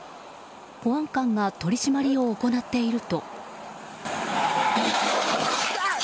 保安官が取り締まりを行っていると。